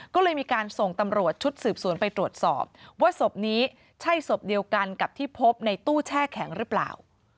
ก็เลยมีการส่งตำรวจชุดสืบสวนไปตรวจสอบว่าศพนี้ใช่ศพเดียวกันกับที่พบในตู้แช่แข็งหรือเปล่า